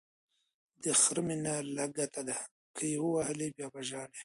د خر مینه لګته ده، که یې ووهلی بیا به ژاړی.